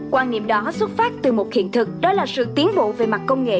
quan niệm đó xuất phát từ một hiện thực đó là sự tiến bộ về mặt công nghệ